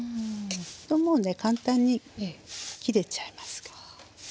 もうね簡単に切れちゃいますから。